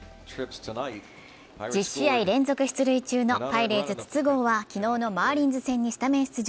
１０試合連続出塁中のパイレーツ・筒香は昨日のマーリンズ戦にスタメン出場。